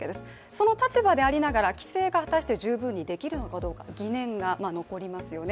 その立場でありながら規制が果たして十分にできるのかどうか疑念が残りますよね。